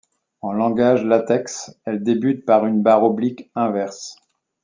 En langage LaTeX, elles débutent par une barre oblique inverse.